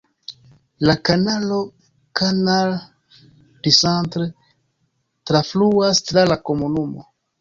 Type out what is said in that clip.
La kanalo Canal du Centre trafluas tra la komunumo.